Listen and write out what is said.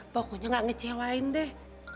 pokoknya gak ngecewain deh